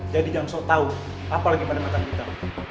jadi jangan sok tau apa lagi pada mata kita